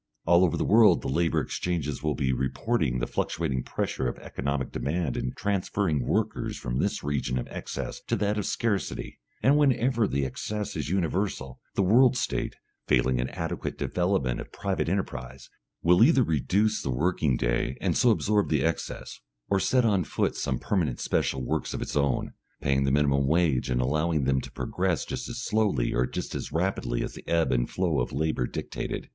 All over the world the labour exchanges will be reporting the fluctuating pressure of economic demand and transferring workers from this region of excess to that of scarcity; and whenever the excess is universal, the World State failing an adequate development of private enterprise will either reduce the working day and so absorb the excess, or set on foot some permanent special works of its own, paying the minimum wage and allowing them to progress just as slowly or just as rapidly as the ebb and flow of labour dictated.